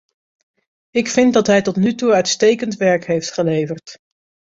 Ik vind dat hij tot nu toe uitstekend werk heeft geleverd.